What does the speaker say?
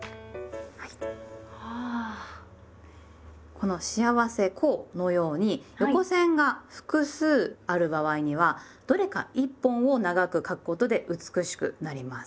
この「『幸』せ」「幸」のように横線が複数ある場合にはどれか１本を長く書くことで美しくなります。